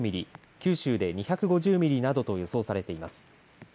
九州で２５０ミリなどと予想されています。